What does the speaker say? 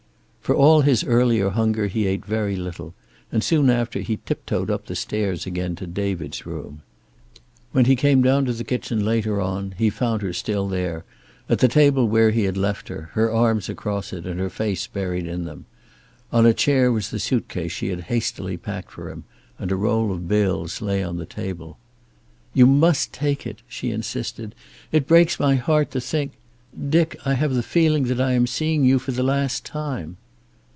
For all his earlier hunger he ate very little, and soon after he tiptoed up the stairs again to David's room. When he came down to the kitchen later on he found her still there, at the table where he had left her, her arms across it and her face buried in them. On a chair was the suitcase she had hastily packed for him, and a roll of bills lay on the table. "You must take it," she insisted. "It breaks my heart to think Dick, I have the feeling that I am seeing you for the last time."